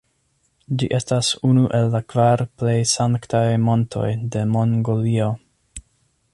Ĝi estas unu el la kvar plej sanktaj montoj de Mongolio.